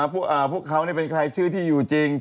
พวกเขาเป็นใครชื่อที่อยู่จริง